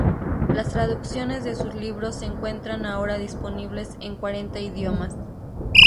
Las traducciones de sus libros se encuentran ahora disponibles en cuarenta idiomas.